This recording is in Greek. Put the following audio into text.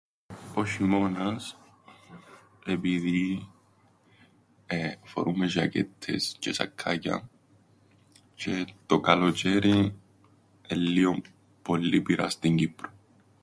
Ο σ̆ειμώνας, επειδή... ε, φορούμεν ζ̆ακέττες τζ̆αι σακκάκια, τζ̆αι το καλοτζ̆αίριν, εν' λλίον, πολλή πυρά στην Κύπρον.